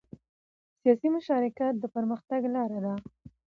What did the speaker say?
سیاسي مشارکت د پرمختګ لاره ده